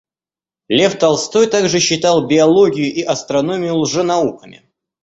Лев Толстой также считал биологию и астрономию лженауками.